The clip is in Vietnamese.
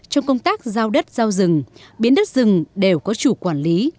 trong công tác giao đất giao rừng biến đất rừng đều có chủ quản lý